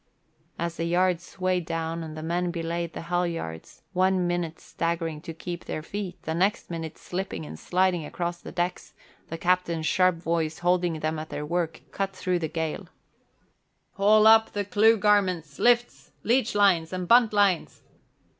As the yard swayed down and the men belayed the halyards, one minute staggering to keep their feet, the next minute slipping and sliding across the decks, the captain's sharp voice, holding them at their work, cut through the gale, "Haul up the clew garnets, lifts, leechlines and buntlines!